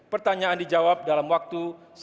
pertanyaan dijawab dalam waktu